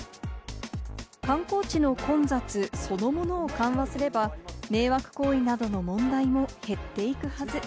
観光地の混雑そのものを緩和すれば、迷惑行為などの問題も減っていくはず。